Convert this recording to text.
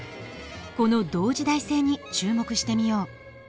この同時代性に注目してみよう。